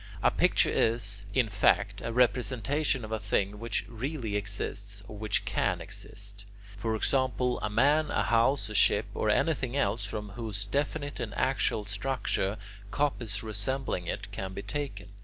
A picture is, in fact, a representation of a thing which really exists or which can exist: for example, a man, a house, a ship, or anything else from whose definite and actual structure copies resembling it can be taken.